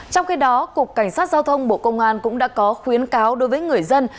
trong khi đó cục cảnh sát giao thông bộ công an cũng đã có khuyến cáo đối với người dân